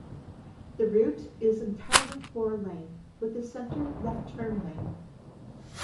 The route is entirely four lane, with a center left-turn lane.